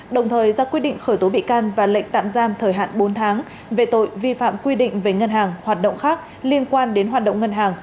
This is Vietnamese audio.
đồng thời ra quyết định khởi tố bị can và lệnh tạm giam thời hạn bốn tháng về tội vi phạm quy định về ngân hàng hoạt động khác liên quan đến hoạt động ngân hàng